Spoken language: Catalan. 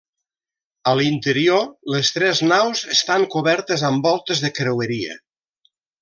A l'interior, les tres naus estan cobertes amb voltes de creueria.